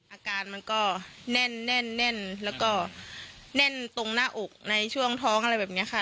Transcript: อาการมันก็แน่นแล้วก็แน่นตรงหน้าอกในช่วงท้องอะไรแบบนี้ค่ะ